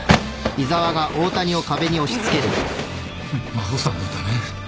真帆さんのため？